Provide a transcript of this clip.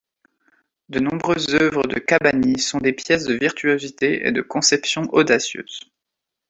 De nombreuses œuvres de Cabanilles sont des pièces de virtuosité et de conception audacieuse.